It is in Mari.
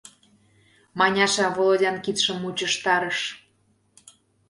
Маняша Володян кидшым мучыштарыш.